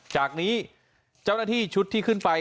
จากนี้เจ้าหน้าที่ชุดที่ขึ้นไป